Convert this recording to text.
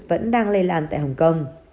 vẫn đang lây lan tại hồng kông